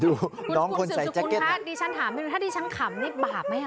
ดูน้องคนใส่สุขุนค่ะดิฉันถามไม่รู้แทบดิฉันขำนี่บาปไหมอ่ะ